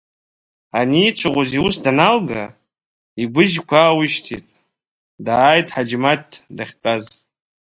Ани ицәаӷәоз иус даналга, игәыжьқәа аауишьҭит, дааит Ҳаџьмаҭ дахьтәаз.